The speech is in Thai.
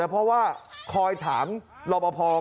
เพราะว่าคอยถามรอบพเขาว่าไปทางไหนไว้